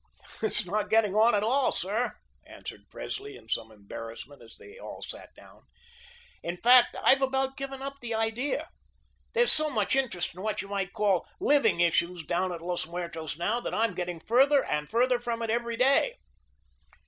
"It's not getting on at all, sir," answered Presley, in some embarrassment, as they all sat down. "In fact, I've about given up the idea. There's so much interest in what you might call 'living issues' down at Los Muertos now, that I'm getting further and further from it every day."